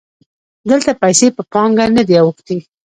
دلته پیسې په پانګه نه دي اوښتي